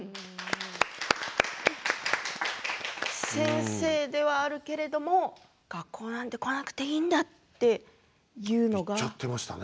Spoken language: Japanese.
先生ではあるけれど学校なんて来なくていいんだって言っちゃってましたね。